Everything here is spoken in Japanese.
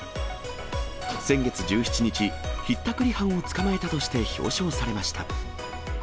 先月１７日、ひったくり犯を捕まえたとして表彰されました。